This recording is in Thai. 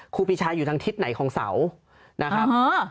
ครูปีชาอยู่ทางทิศไหนของเสานะครับ